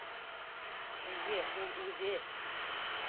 Эйе, ул үҙе.